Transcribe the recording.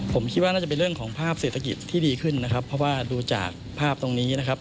ผมคิดว่าน่าจะเป็นเรื่องของภาพเศรษฐกิจที่ดีขึ้นนะครับเพราะว่าดูจากภาพตรงนี้นะครับ